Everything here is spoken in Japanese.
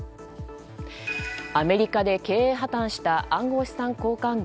アメリカで経営破綻した暗号資産交換業